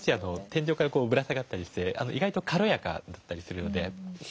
天井からぶら下がったりして意外と軽やかだったりするので。